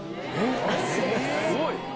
すごい。